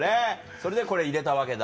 それでこれ入れたわけだ。